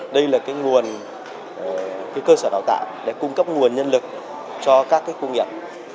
đây là cái nguồn cái cơ sở đào tạo để cung cấp nguồn nhân lực cho các cái khu nghiệp